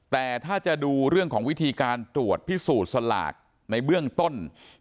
แต่ถ้าจะดูเรื่องของวิธีการตรวจพิสูจน์สลากในเบื้องต้น